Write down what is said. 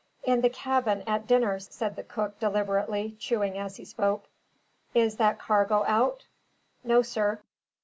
"In the cabin, at dinner," said the cook deliberately, chewing as he spoke. "Is that cargo out?" "No, sir."